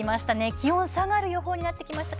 気温が下がる予報になってきました。